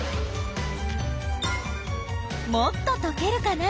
もっととけるかな？